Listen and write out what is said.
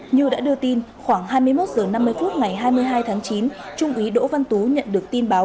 như đã đưa tin khoảng hai mươi một h năm mươi phút ngày hai mươi hai tháng chín trung úy đỗ văn tú nhận được tin báo